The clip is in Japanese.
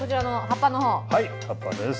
はい、葉っぱです。